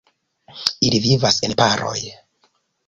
Ili vivas en paroj.